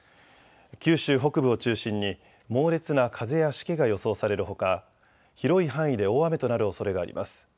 九州北部を中心に猛烈な風やしけが予想されるほか広い範囲で大雨となるおそれがあります。